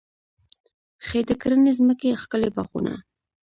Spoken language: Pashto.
ښې د کرنې ځمکې، ښکلي باغونه